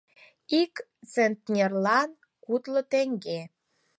Ик центнерлан кудло теҥге.